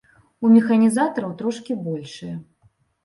У механізатараў трошкі большыя.